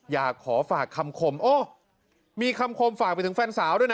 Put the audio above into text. อยากขอฝากคำคมโอ้มีคำคมฝากไปถึงแฟนสาวด้วยนะ